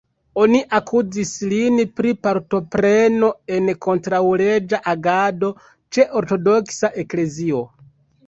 Oni akuzis lin pri partopreno en kontraŭleĝa agado ĉe Ortodoksa Eklezio.